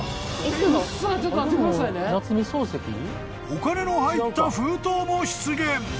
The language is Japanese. ［お金の入った封筒も出現］